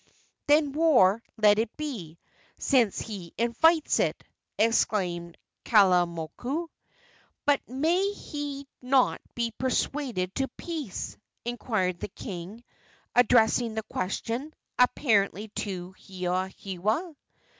"Then war let it be, since he invites it!" exclaimed Kalaimoku. "But may he not be persuaded to peace?" inquired the king, addressing the question, apparently, to Hewahewa.